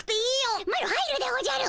マロ入るでおじゃる。